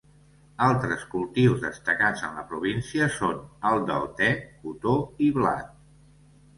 Altres cultius destacats en la província són el del te, cotó i blat.